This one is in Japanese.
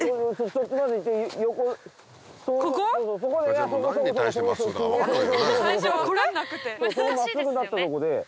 そこ真っすぐになったとこで。